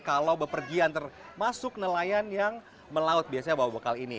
kalau bepergian termasuk nelayan yang melaut biasanya bawa bekal ini